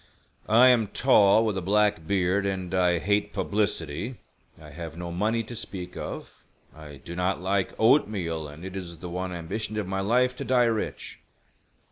"I am tall, with a black beard, and I hate publicity. I have no money to speak of; I do not like oatmeal, and it is the one ambition of my life to die rich.